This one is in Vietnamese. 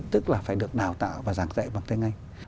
tức là phải được đào tạo và giảng dạy bằng tiếng anh